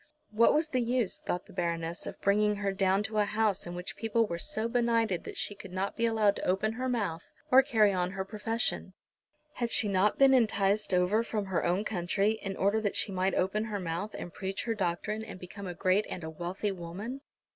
What was the use, thought the Baroness, of bringing her down to a house in which people were so benighted that she could not be allowed to open her mouth or carry on her profession. Had she not been enticed over from her own country in order that she might open her mouth, and preach her doctrine, and become a great and a wealthy woman?